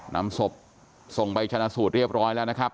นำศพส่งไปชนะสูตรเรียบร้อยแล้วนะครับ